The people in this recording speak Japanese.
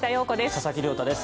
佐々木亮太です。